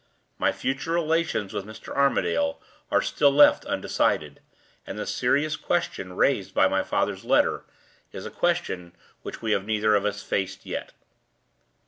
My future relations with Mr. Armadale are still left undecided; and the serious question raised by my father's letter is a question which we have neither of us faced yet."